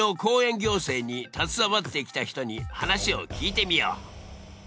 行政に携わってきた人に話を聞いてみよう。